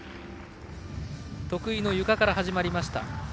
得意のゆかから始まりました。